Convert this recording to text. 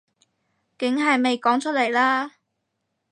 梗係咪講出嚟啦